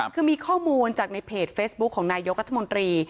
คือมีข้อมูลจากในเพจเฟซบุ๊คของนายกรัฐมนตรี